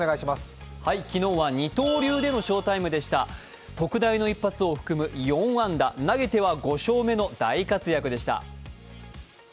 昨日は二刀流での翔タイムでした特大の一発を含む４安打、投げては５勝目の大活躍でした。